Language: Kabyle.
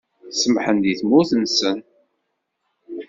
Semḥen di tmurt-nsen.